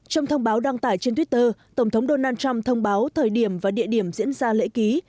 trong thông báo đăng tải trên twitter tổng thống donald trump thông báo thời điểm và địa điểm diễn ra lễ ký